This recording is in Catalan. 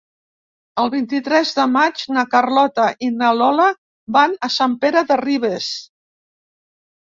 El vint-i-tres de maig na Carlota i na Lola van a Sant Pere de Ribes.